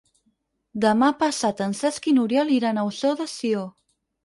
Demà passat en Cesc i n'Oriol iran a Ossó de Sió.